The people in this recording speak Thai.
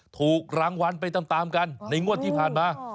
ถูกรางวัลไปตามกันในงวดที่ผ่านมา